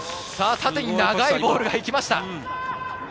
縦に長いボールが行きました。